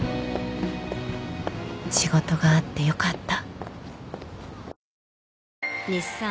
仕事があってよかった